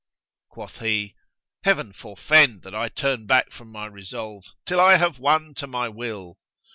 Quoth he, Heaven forefend that I turn back from my resolve, till I have won to my will!